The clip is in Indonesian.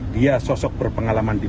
dia sosok berpengalaman difilm